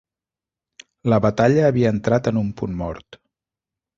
La batalla havia entrat en un punt mort.